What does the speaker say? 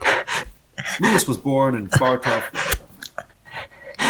Lewis was born in Bartow, Florida.